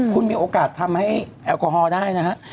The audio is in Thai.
คุณมีโอกาสทำให้แอลกอฮอล์ได้นะฮะ